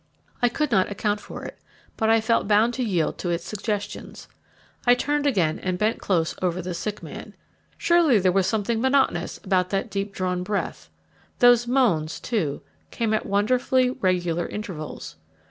I could not account for it, but I felt bound to yield to its suggestions. I turned again and bent close over the sick man. Surely there was something monotonous about that deep drawn breath; those moans, too, came at wonderfully regular intervals.